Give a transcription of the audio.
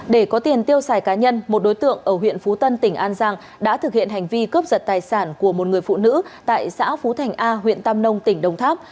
để có tiền tiêu xài cá nhân một đối tượng ở huyện phú tân tỉnh an giang đã thực hiện hành vi cướp giật tài sản của một người phụ nữ tại xã phú thành a huyện tam nông tỉnh đồng tháp